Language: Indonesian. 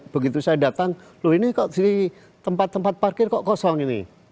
begitu saya datang loh ini kok jadi tempat tempat parkir kok kosong ini